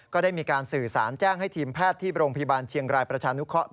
ก็ได้มีการสื่อสารแจ้งให้ทีมแพทย์ที่โรงพยาบาลเชียงรายประชานุเคราะห์